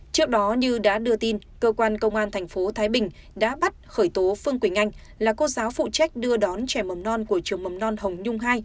trước đó như đã đưa tin cơ quan công an thành phố thái bình đã bắt khởi tố phương quỳnh anh là cô giáo phụ trách đưa đón trẻ mầm non của trường mầm non hồng nhung hai